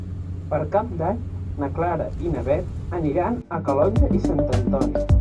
Per Cap d'Any na Carla i na Bet aniran a Calonge i Sant Antoni.